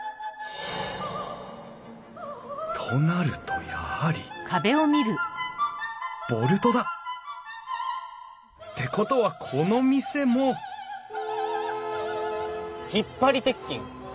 となるとやはりボルトだ！ってことはこの店も引張鉄筋！